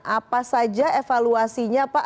apa saja evaluasinya pak